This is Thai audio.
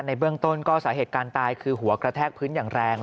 เบื้องต้นก็สาเหตุการณ์ตายคือหัวกระแทกพื้นอย่างแรง